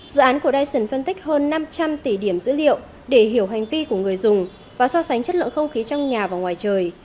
dự án của dition phân tích hơn năm trăm linh tỷ điểm dữ liệu để hiểu hành vi của người dùng và so sánh chất lượng không khí trong nhà và ngoài trời